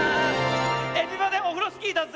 「エビバデオフロスキー」だぜ！